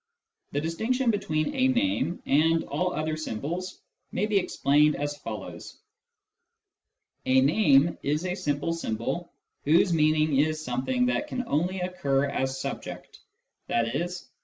The distinction between a name and all other symbols may be explained as follows :— A name is a simple symbol whose meaning is something that can only occur as subject, i.e.